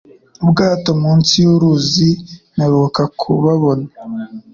ubwato munsi yuruzi mperuka kubabona